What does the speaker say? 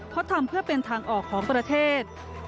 เพราะทำเพื่อเป็นทางออกของประเทศ